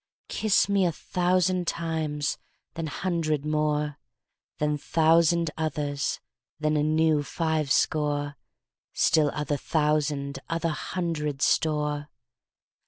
Kiss me a thousand times, then hundred more, Then thousand others, then a new five score, Still other thousand other hundred store.